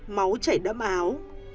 máu chảy đẫm áo